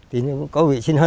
thì có vị sinh hợp